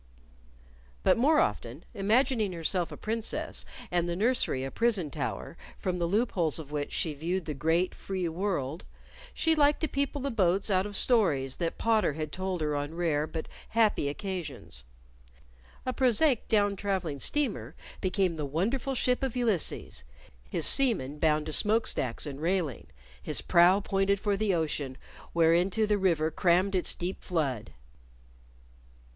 But more often, imagining herself a Princess, and the nursery a prison tower from the loop holes of which she viewed the great, free world, she liked to people the boats out of stories that Potter had told her on rare, but happy, occasions. A prosaic down traveling steamer became the wonderful ship of Ulysses, his seamen bound to smokestacks and railing, his prow pointed for the ocean whereinto the River crammed its deep flood.